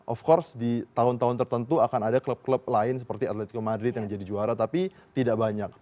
of course di tahun tahun tertentu akan ada klub klub lain seperti atletico madrid yang jadi juara tapi tidak banyak